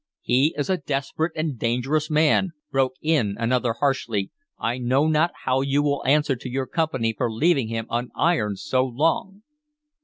"He is a desperate and dangerous man," broke in another harshly. "I know not how you will answer to your Company for leaving him unironed so long."